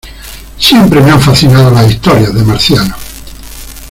Siempre me han fascinado las historias de marcianos.